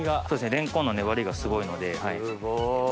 レンコンの粘りがすごいので。